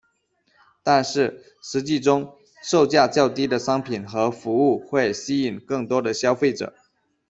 但是，实际中，售价较低的商品和服务会吸引更多的消费者。